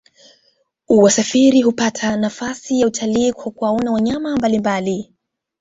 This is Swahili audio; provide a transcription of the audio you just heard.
wasafiri hupata nafasi ya kufanya utalii kwa kuwaona wanyama mbalimbali